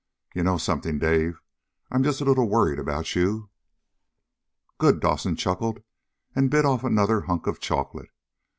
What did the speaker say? "You know something, Dave? I'm just a little worried about you." "Good!" Dawson chuckled, and bit off another hunk of chocolate.